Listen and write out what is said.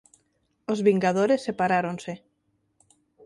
Os Vingadores separáronse.